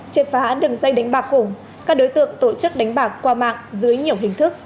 triệt phá đường dây đánh bạc khủng các đối tượng tổ chức đánh bạc qua mạng dưới nhiều hình thức